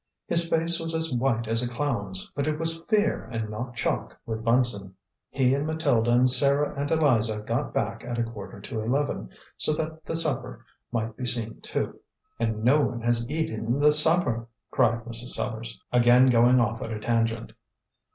"His face was as white as a clown's, but it was fear and not chalk with Bunson. He and Matilda and Sarah and Eliza got back at a quarter to eleven, so that the supper might be seen to. And no one has eaten the supper," cried Mrs. Sellars, again going off at a tangent.